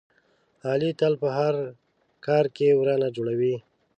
علي تل په هر کار کې ورانه جوړوي.